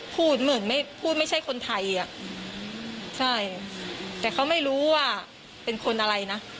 พูดเหมือนไม่พูดไม่ใช่คนไทยอ่ะใช่แต่เขาไม่รู้ว่าเป็นคนอะไรนะ